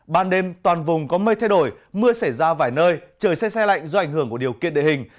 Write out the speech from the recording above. ban đêm toàn vùng có mây thay đổi mưa xảy ra vài nơi trời xe xe lạnh do ảnh hưởng của điều kiện địa hình